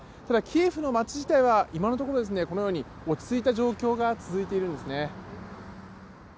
ただ、キエフの街自体は今のところこのように落ち着いた状況が続いているんですね。